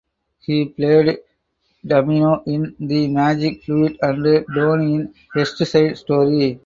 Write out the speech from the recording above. He played Tamino in "The Magic Flute" and Tony in "West Side Story".